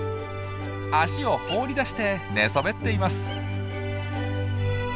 足を放り出して寝そべっています。